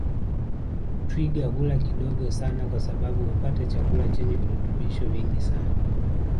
Twiga hula kidogo sana kwa sababu hupata chakula chenye virutubisho vingi sana